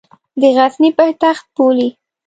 د غزني پایتخت بولي.